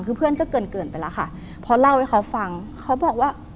คือเพื่อนก็เกินเกินไปแล้วค่ะเพราะเล่าให้เขาฟังเขาบอกว่า